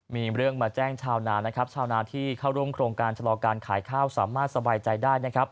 มีเรื่องมาแจ้งชาวนาที่เข้าร่วมโครงการจรอการขายข้าวสามารถสบายใจได้